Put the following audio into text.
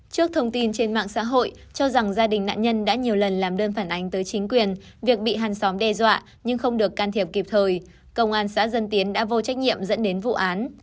trước thông tin trên mạng xã hội cho rằng gia đình nạn nhân đã nhiều lần làm đơn phản ánh tới chính quyền việc bị hàng xóm đe dọa nhưng không được can thiệp kịp thời công an xã dân tiến đã vô trách nhiệm dẫn đến vụ án